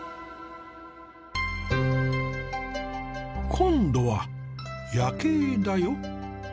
今度は夜景だよ。